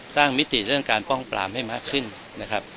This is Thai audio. สร้างมิติเรื่องการป้องกันปราปรามให้มากขึ้นนะครับ